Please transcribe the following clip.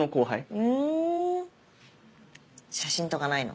うん写真とかないの？